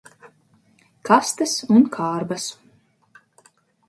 Kastes un kārbas.